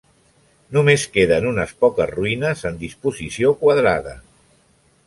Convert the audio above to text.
Només queden unes poques ruïnes en disposició quadrada.